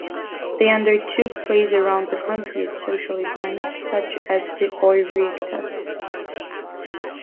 They undertook plays around the country at social events such as the Oireachtas.